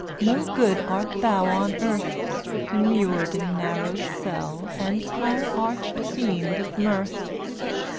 No good art thou on earth, zjl Immured in narrow cell vj££' And high arch fiend of Mirth.